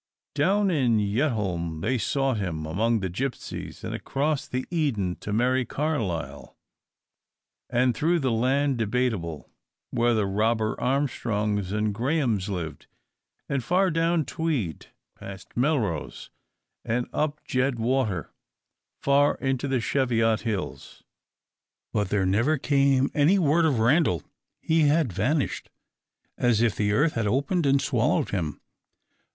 Down in Yetholme they sought him, among the gipsies; and across the Eden in merry Carlisle; and through the Land Debatable, where the robber Armstrongs and Grahames lived; and far down Tweed, past Melrose, and up Jed water, far into the Cheviot hills. But there never came any word of Randal. He had vanished as if the earth had opened and swallowed him.